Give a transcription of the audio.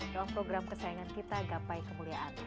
dalam program kesayangan kita gapai kemuliaan